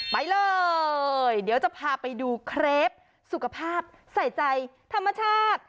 ไปเลยเดี๋ยวจะพาไปดูเครปสุขภาพใส่ใจธรรมชาติ